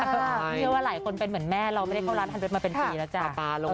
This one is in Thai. ก็เชื่อว่าหลายคนเป็นเหมือนแม่เราไม่ได้เข้าร้านฮันเดชมาเป็นปีแล้วจ้ะ